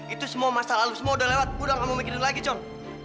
itu semua masa lalu semua udah lewat udah gak kamu mikirin lagi con